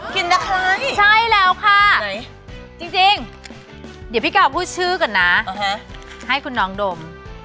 กินนะคะใช่แล้วค่ะจริงเดี๋ยวพี่กาวพูดชื่อก่อนนะให้คุณน้องดม